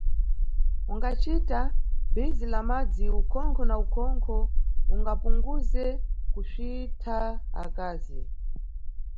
Ungacita bhizi la madzi, ukhonkho na khonkho ungapunguze kusvitha akazi.